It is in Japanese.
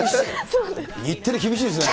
日テレ厳しいですね。